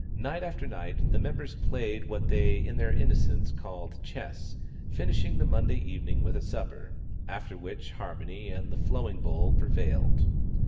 Night after night the members played what they in their innocence called chess, finishing the Monday evening with a supper, after which harmony and "the flowing bowl" prevailed.